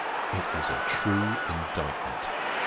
It is a true indictment.